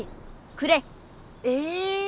くれ！え？